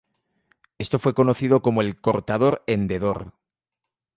Esto fue conocido como el cortador-hendedor.